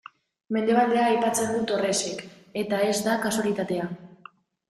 Mendebaldea aipatzen du Torresek, eta ez da kasualitatea.